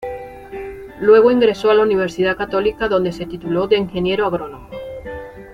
Luego ingresó a la Universidad Católica donde se tituló de Ingeniero Agrónomo.